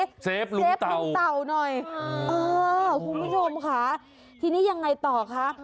เซฟลุงเต่าคุณผู้ชมค่ะทีนี้ยังไงต่อคะ